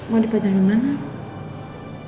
mau dipasang kemana